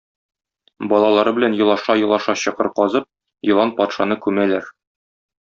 Балалары белән елаша-елаша чокыр казып, елан патшаны күмәләр.